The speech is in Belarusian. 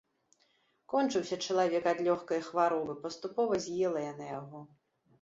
Кончыўся чалавек ад лёгкай хваробы, паступова з'ела яна яго.